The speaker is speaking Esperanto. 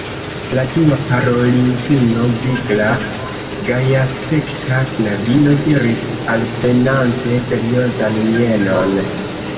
La dua parolintino, vigla, gajaspekta knabino, diris alprenante seriozan mienon: